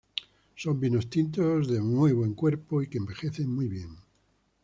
Son vinos tintos de muy buen cuerpo y que envejecen muy bien.